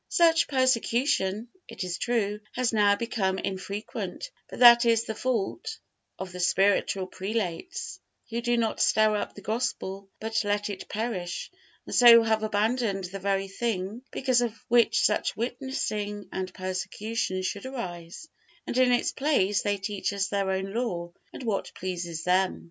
Such persecution, it is true, has now become infrequent; but that is the fault of the spiritual prelates, who do not stir up the Gospel, but let it perish, and so have abandoned the very thing because of which such witnessing and persecution should arise; and in its place they teach us their own law and what pleases them.